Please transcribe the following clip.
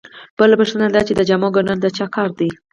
بله پوښتنه دا چې د جامو ګنډل د چا کار دی